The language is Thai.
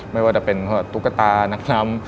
ไม่ว่าจะเป็นตุ๊กตานักช้ำ